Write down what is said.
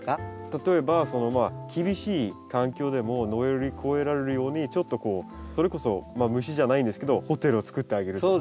例えばその厳しい環境でも乗り越えられるようにちょっとこうそれこそまあ虫じゃないんですけどホテルを作ってあげるとか。